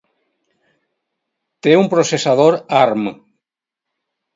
Té un processador ARM.